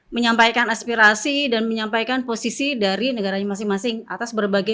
menyampaikan aspirasi dan menyampaikan posisi dari negaranya masing masing atas berbagai